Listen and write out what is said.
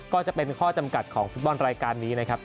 ก็จะเป็นข้อจำกัดของฟุตบอลรายการนี้นะครับ